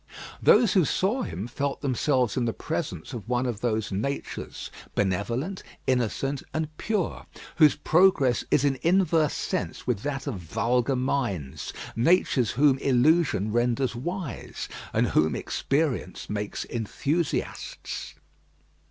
Those who saw him felt themselves in the presence of one of those natures, benevolent, innocent, and pure, whose progress is in inverse sense with that of vulgar minds; natures whom illusion renders wise, and whom experience makes enthusiasts.